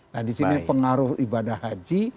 nah disini pengaruh ibadah haji